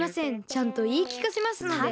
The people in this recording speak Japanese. ちゃんといいきかせますので。